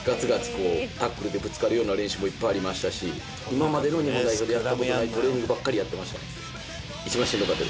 こうタックルでぶつかるような練習もいっぱいありましたし今までの日本代表でやったことないトレーニングばっかりやってました。